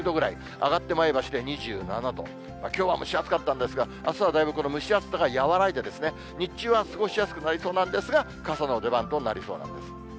上がって、前橋で２７度、きょうは蒸し暑かったんですが、あすはだいぶ、この蒸し暑さが和らいで、日中は過ごしやすくなりそうなんですが、傘の出番となりそうなんです。